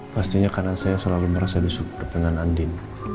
pastinya karena saya selalu merasa disyukur dengan andin